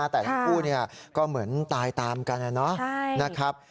แต่ทั้งคู่ก็เหมือนตายตามกันนะครับ